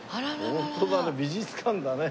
ホントだね美術館だね。